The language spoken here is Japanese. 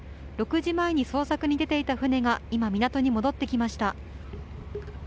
６時前に捜索に出ていた船が今、港に戻ってきました。